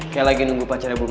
kayak lagi nunggu pacarnya burung